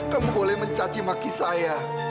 kamu boleh mencacimaki saya